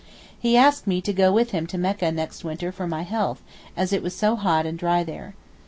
He asked me to go with him to Mecca next winter for my health, as it was so hot and dry there.